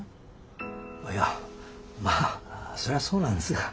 いやまあそれはそうなんですが。